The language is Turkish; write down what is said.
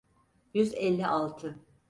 Yüz elli altı.